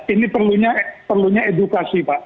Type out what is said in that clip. ini perlunya edukasi pak